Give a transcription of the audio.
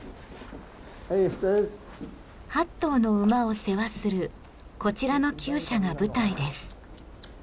８頭の馬を世話するこちらのきゅう舎が舞台です。